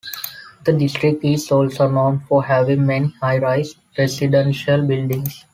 The district is also known for having many high-rise residential buildings.